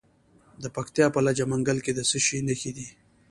د پکتیا په لجه منګل کې د څه شي نښې دي؟